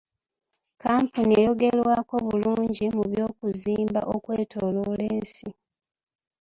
Kkampuni eyogerwako bulungi mu by'okuzimba okwetooloola ensi.